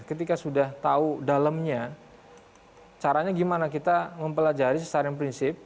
ketika sudah tahu dalemnya caranya gimana kita mempelajari secara prinsip